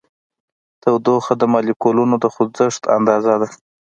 تودوخه د مالیکولونو د خوځښت اندازه ده.